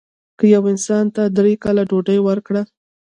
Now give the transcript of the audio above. که یو انسان ته درې کاله ډوډۍ ورکړه.